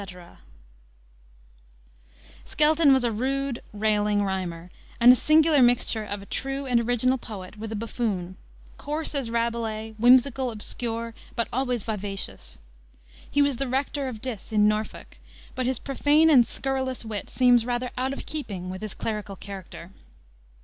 _" Skelton was a rude railing rhymer, a singular mixture of a true and original poet with a buffoon; coarse as Rabelais, whimsical, obscure, but always vivacious. He was the rector of Diss, in Norfolk, but his profane and scurrilous wit seems rather out of keeping with his clerical character.